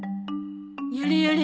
やれやれ。